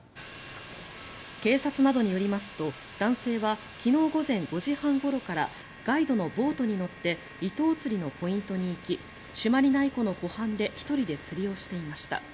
警察などによりますと男性は昨日午前５時半ごろからガイドのボートに乗ってイトウ釣りのポイントに行き朱鞠内湖の湖畔で１人で釣りをしていました。